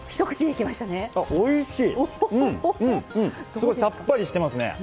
すごいさっぱりしてますね。